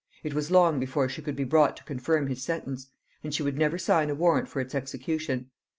It was long before she could be brought to confirm his sentence, and she would never sign a warrant for its execution.